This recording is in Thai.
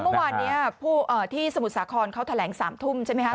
เมื่อวานนี้ที่สมุทรสาครเขาแถลง๓ทุ่มใช่ไหมครับ